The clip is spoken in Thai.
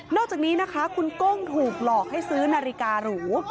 อกจากนี้นะคะคุณก้งถูกหลอกให้ซื้อนาฬิการู